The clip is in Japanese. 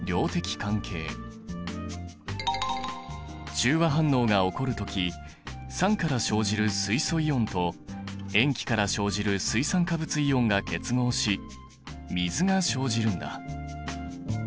中和反応が起こる時酸から生じる水素イオンと塩基から生じる水酸化物イオンが結合し水が生じるんだ。